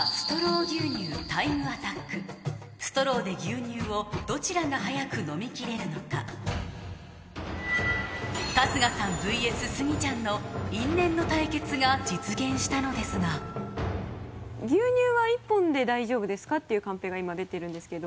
ストローで牛乳をどちらが速く飲みきれるのか因縁の対決が実現したのですが「牛乳は１本で大丈夫ですか？」ていうカンペが今出てるんですけど。